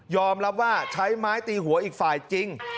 รับว่าใช้ไม้ตีหัวอีกฝ่ายจริง